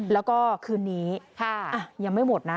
แล้วก็คืนนี้ยังไม่หมดนะ